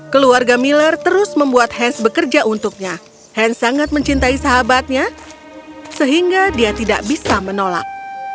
keluarga miller terus membuat hans bekerja untuknya hans sangat mencintai sahabatnya sehingga dia tidak bisa menolak